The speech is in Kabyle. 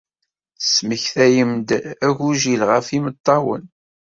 Tesmektayem-d agujil ɣef imeṭṭawen.